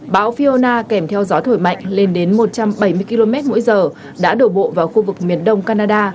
bão fiona kèm theo gió thổi mạnh lên đến một trăm bảy mươi km mỗi giờ đã đổ bộ vào khu vực miền đông canada